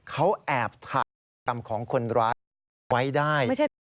เขาแอบถ่ายพฤติกรรมของคนร้ายไว้ได้